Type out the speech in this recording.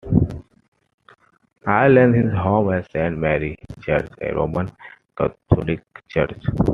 Ireland is home of Saint Mary's Church, a Roman Catholic church.